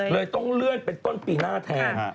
เลยต้องเลื่อนเป็นต้นปีหน้าแทน